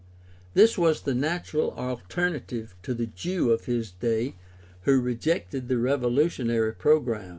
This was the natural alternative for a Jew of his day who rejected the revolutionary program.